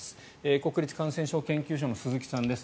国立感染症研究所の鈴木さんです。